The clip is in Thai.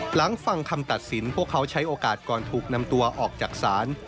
หลังฟังคำตัดสินพวกเขาใช้โอกาสก่อนถูกนำตัวออกจากศาล